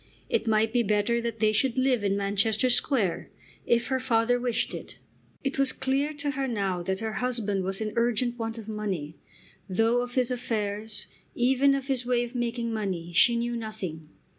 It might be better that they should live in Manchester Square, if her father wished it. It was clear to her now that her husband was in urgent want of money, though of his affairs, even of his way of making money, she knew nothing.